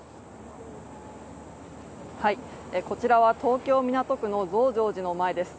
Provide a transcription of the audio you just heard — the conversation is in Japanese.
こちらは東京・港区の増上寺の前です。